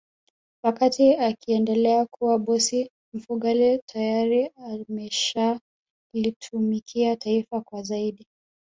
Wakati akiendelea kuwa bosi Mfugale tayari ameshalitumikia taifa kwa zaidi